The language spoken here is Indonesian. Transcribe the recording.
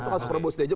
itu kan superbos dejo